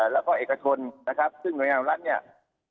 แล้วก็เอกละคนซึ่งหน่วยงานของรัฐ